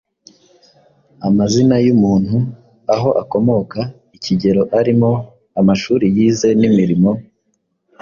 amazina y’umuntu, aho akomoka, ikigero arimo, amashuri yize n’imirimo